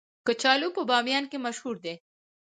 کچالو په بامیان کې مشهور دي